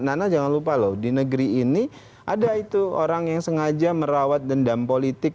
nana jangan lupa loh di negeri ini ada itu orang yang sengaja merawat dendam politik